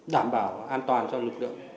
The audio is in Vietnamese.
đảm bảo an toàn cho lực lượng